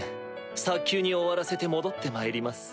早急に終わらせて戻ってまいります。